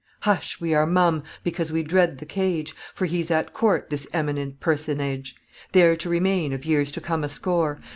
"Hush! we are mum, because we dread the cage For he's at court this eminent personage There to remain of years to come a score.